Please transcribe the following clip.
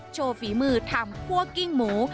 โชว์ฝีมือทำพวกกิ้งหมู